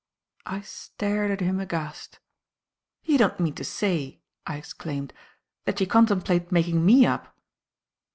I stared at him aghast. "You don't mean to say," I exclaimed, "that you contemplate making me up?"